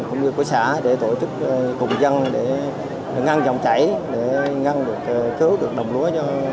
cũng như của xã để tổ chức cùng dân để ngăn dòng chảy để ngăn được cứu được đồng lúa